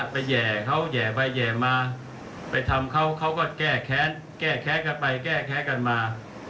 แห่เขาแห่ไปแห่มาไปทำเขาเขาก็แก้แค้นแก้แค้นกันไปแก้แค้นกันมา